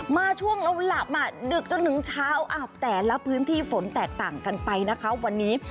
มาช่วงเราหลับดึกจนถึงเช้าแต่ละพื้นที่ฝนแตกต่างกันไปนะคะวันนี้